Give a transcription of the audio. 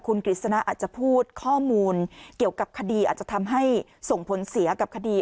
คุณกฤษณะอาจจะพูดข้อมูลเกี่ยวกับคดีอาจจะทำให้ส่งผลเสียกับคดี